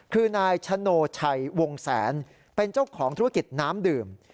คือนายชโนชัยวงแสนเป็นเจ้าของธุรกิจน้ำดื่ม